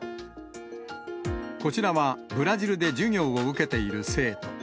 こちらはブラジルで授業を受けている生徒。